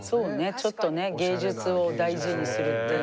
ちょっとね芸術を大事にするっていう。